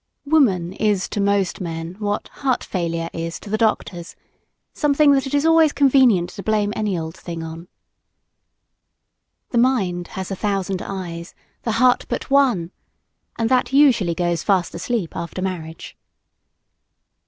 Woman is to most men what "heart failure" is to the doctors something that it is always convenient to blame any old thing on. "The mind has a thousand eyes the heart but one!" and that usually goes fast asleep, after marriage.